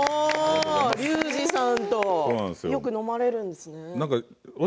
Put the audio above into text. リュウジさんとよく飲まれるんですね。